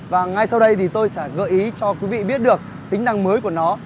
và ngay sau đây thì tôi sẽ gợi ý cho quý vị biết được tính năng mới của nó